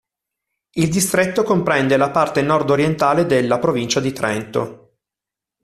Il distretto comprende la parte nord-orientale della provincia di Trento.